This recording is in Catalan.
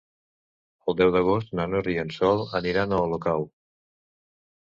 El deu d'agost na Nora i en Sol aniran a Olocau.